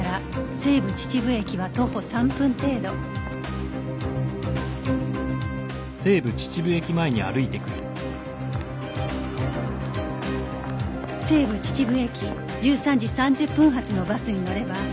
西武秩父駅１３時３０分発のバスに乗れば